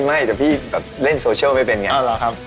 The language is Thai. ไม่แต่พี่เล่นโซเชียลไม่เป็นอย่างนี้